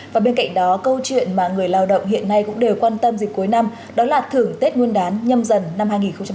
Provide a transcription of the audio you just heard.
và bên cạnh đó câu chuyện mà người lao động hiện nay cũng đều quan tâm dịp cuối năm đó là thưởng tết nguyên đán nhâm dần năm hai nghìn hai mươi